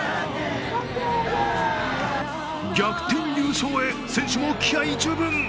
逆転優勝へ、選手も気合い十分。